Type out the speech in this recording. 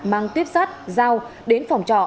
mang tuyếp sắt dao đến phòng trọ